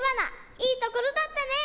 いいところだったね。